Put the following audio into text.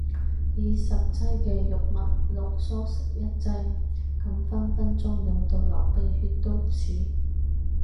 以十劑嘅藥物濃縮成一劑？咁分分鐘飲到流鼻血都似